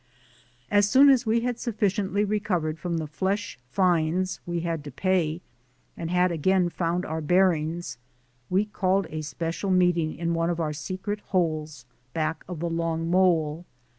As soon as we had sufficiently recovered from the flesh fines we had to pay and had again found our bearings, we called a special meeting in one of our secret holes back of the long mole.